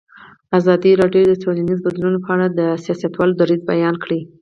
ازادي راډیو د ټولنیز بدلون په اړه د سیاستوالو دریځ بیان کړی.